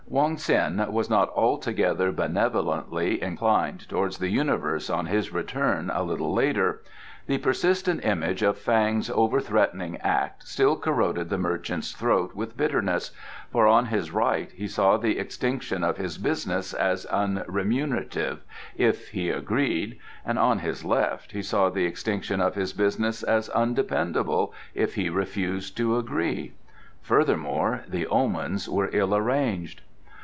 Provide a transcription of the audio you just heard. Wong Ts'in was not altogether benevolently inclined towards the universe on his return a little later. The persistent image of Fang's overthreatening act still corroded the merchant's throat with bitterness, for on his right he saw the extinction of his business as unremunerative if he agreed, and on his left he saw the extinction of his business as undependable if he refused to agree. Furthermore, the omens were ill arranged.